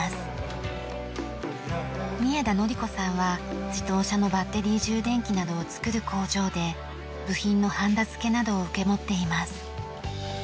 三枝紀子さんは自動車のバッテリー充電器などを作る工場で部品のはんだ付けなどを受け持っています。